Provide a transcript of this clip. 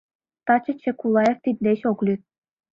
Таче Чекулаев тиддеч ок лӱд.